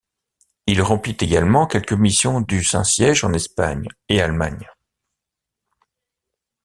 Il remplit également quelques missions du Saint-Siège en Espagne et Allemagne.